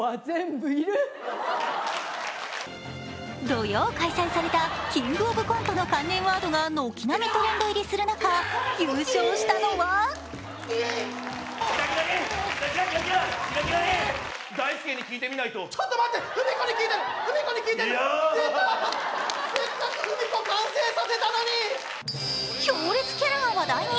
土曜開催された「キングオブコント」の関連ワードが軒並みトレンド入りする中優勝したのは強烈キャラが話題に。